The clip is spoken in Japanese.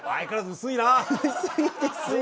薄いですよ。